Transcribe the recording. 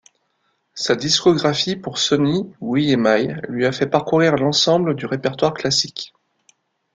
Sa discographie pour Sony ou Emi lui a fait parcourir l'ensemble du répertoire classique.